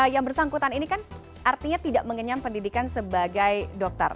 yang bersangkutan ini kan artinya tidak mengenyam pendidikan sebagai dokter